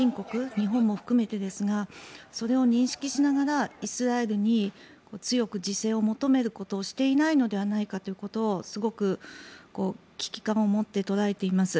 日本も含めてですがそれを認識しながらイスラエルに強く自制を求めることをしていないのではないかということをすごく危機感を持って捉えています。